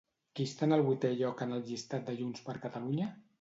Qui està en el vuitè lloc en el llistat de Junts per Catalunya?